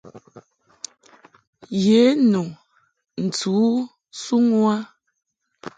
Ye nu ntɨ u suŋ u a.